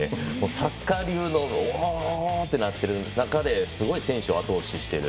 サッカー流の「おお！」っていうすごい選手をあと押ししている。